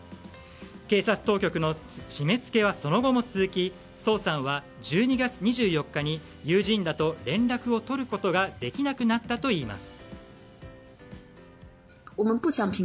警察当局の締め付けはその後も続きソウさんは１２月２４日に友人らと連絡を取ることができなくなったといいます。